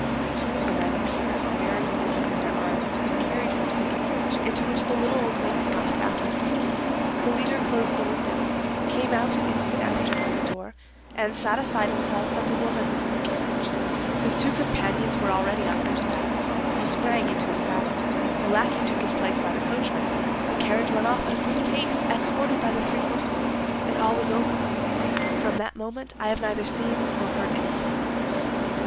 Two of the men appeared, bearing the woman in their arms, and carried her to the carriage, into which the little old man got after her. The leader closed the window, came out an instant after by the door, and satisfied himself that the woman was in the carriage. His two companions were already on horseback. He sprang into his saddle; the lackey took his place by the coachman; the carriage went off at a quick pace, escorted by the three horsemen, and all was over. From that moment I have neither seen nor heard anything."